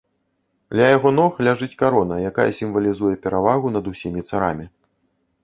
Ля яго ног ляжыць карона, якая сімвалізуе перавагу над усімі царамі.